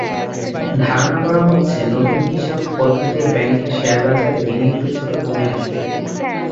ধারণা করা হচ্ছে, নতুন হিসাব পদ্ধতিতে ব্যাংকের শেয়ারবাজারে বিনিয়োগ কিছুটা কমে আসবে।